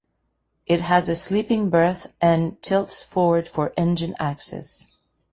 It has a sleeping berth and tilts forward for engine access.